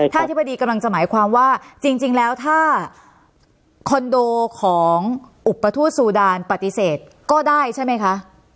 ถ้าอธิบดีกำลังจะหมายความว่าจริงแล้วถ้าคอนโดของอุปทูตซูดานปฏิเสธก็ได้ใช่ไหมคะ